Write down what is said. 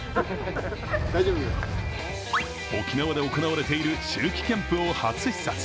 沖縄で行われている秋季キャンプを初視察。